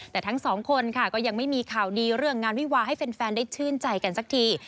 แต่ทั้งสองคนค่ะก็ยังไม่มีข่าวดีเรื่องงานวิวาให้แฟนได้ชื่นใจกันสักที